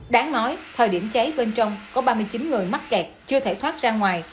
đáng nói thời điểm cháy bên trong có ba mươi chín người mắc kẹt chưa thể thoát ra ngoài